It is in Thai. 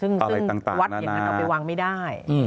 ซึ่งวัดอย่างนั้นเอาไปวางไม่ได้